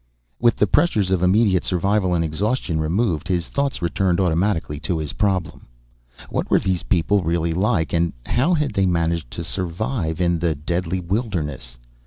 With the pressures of immediate survival and exhaustion removed, his thoughts returned automatically to his problem. What were these people really like and how had they managed to survive in the deadly wilderness?